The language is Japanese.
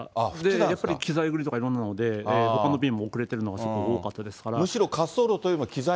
やっぱり機材繰りとかいろんなので、ほかの便も遅れているのが多かったんで。